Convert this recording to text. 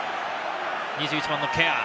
２１番のケア。